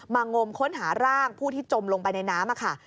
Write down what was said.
งมค้นหาร่างผู้ที่จมลงไปในน้ำค่ะ